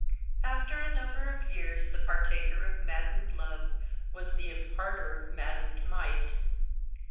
After a number of years the partaker of maddened love was the imparter of maddened might.